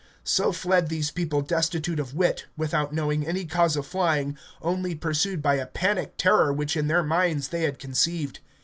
So fled these people destitute of wit, without knowing any cause of flying, only pursued by a panic terror which in their minds they had conceived.